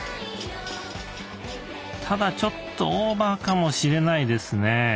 ただちょっとオーバーかもしれないですね。